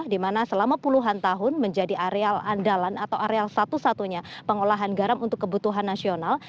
dimana selama puluhan tahun menjadi areal andalan atau areal satu satunya pengolahan garam untuk kebutuhan nasional